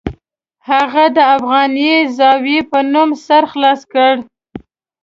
هغه د افغانیه زاویه په نوم سر خلاص کړ.